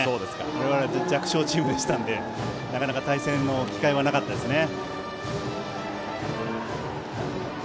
我々、弱小チームでしたのでなかなか対戦の機会はなかったですね。